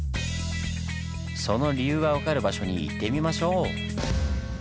その理由が分かる場所に行ってみましょう！